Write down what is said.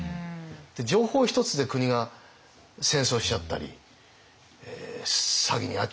情報一つで国が戦争しちゃったり詐欺に遭っちゃったり。